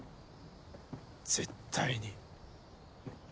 絶対に。